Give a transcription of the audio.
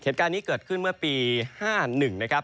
เคล็ดการนี้เกิดขึ้นเมื่อปี๕๑